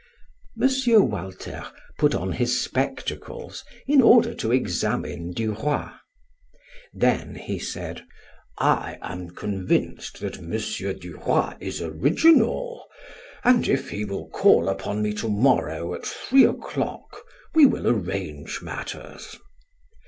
M. Walter put on his spectacles in order to examine Duroy. Then he said: "I am convinced that M. Duroy is original, and if he will call upon me tomorrow at three o'clock, we will arrange matters."